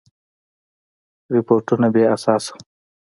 رپوټونه بې اساسه وه.